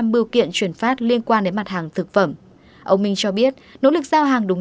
tám mươi bưu kiện chuyển phát liên quan đến mặt hàng thực phẩm